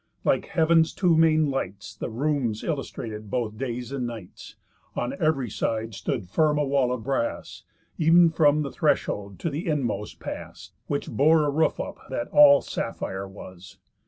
Like heav'n's two main lights The rooms illustrated both days and nights. On ev'ry side stood firm a wall of brass, Ev'n from the threshold to the inmost pass, Which bore a roof up that all sapphire was.